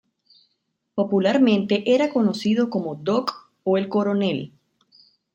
Popularmente era conocido como "Doc" o "el Coronel".